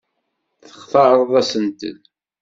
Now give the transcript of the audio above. Textareḍ asentel?